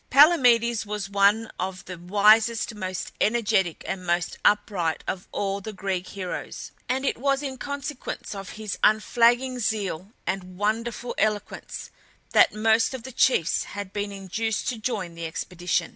Palamedes was one of the wisest, most energetic, and most upright of all the Greek heroes, and it was in consequence of his unflagging zeal and wonderful eloquence that most of the chiefs had been induced to join the expedition.